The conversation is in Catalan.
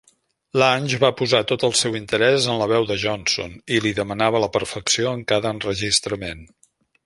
Lange va posar tot el seu interès en la veu de Johnson, i li demanava la perfecció en cada enregistrament.